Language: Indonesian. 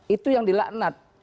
itu yang di laknat